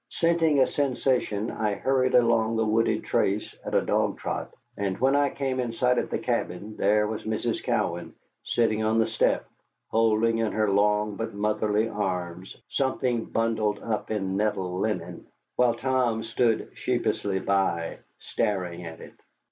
Scenting a sensation, I hurried along the wooded trace at a dog trot, and when I came in sight of the cabin there was Mrs. Cowan sitting on the step, holding in her long but motherly arms something bundled up in nettle linen, while Tom stood sheepishly by, staring at it.